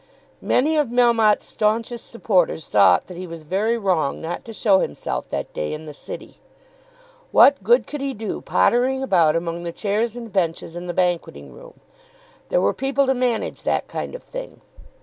Many of Melmotte's staunchest supporters thought that he was very wrong not to show himself that day in the City. What good could he do pottering about among the chairs and benches in the banqueting room? There were people to manage that kind of thing.